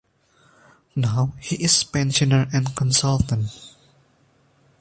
Now he is a pensioner and consultant.